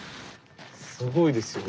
すごいですよ。